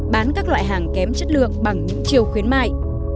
bán các loại hàng kém chất lượng bằng những chiều khuyến mại